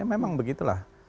ya memang begitu lah